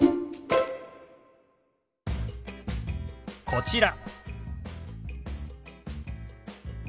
こちら。